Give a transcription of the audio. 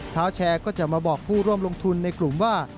เท้าแชร์ก็จะมาบอกผู้ร่วมลงทุนในกลุ่มว่า